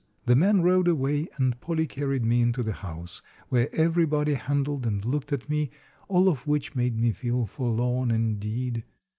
The man rode away, and Polly carried me into the house, where everybody handled and looked at me, all of which made me feel forlorn indeed.